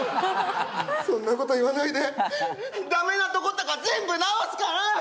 そんなこと言わないでダメなとことか全部直すから！